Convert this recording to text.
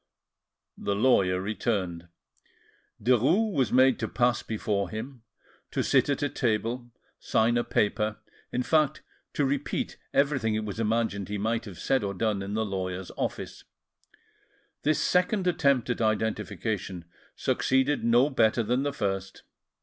The lawyer returned: Derues was made to pass before him, to sit at a table, sign a paper, in fact to repeat everything it was imagined he might have said or done in the lawyer's office. This second attempt at identification succeeded no better than the first.